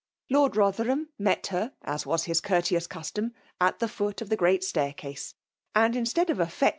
Lord Rothetliiiiiai met her, as was his courteous custom, at tlia) foot of the great staircase, and instead of aflbbt^.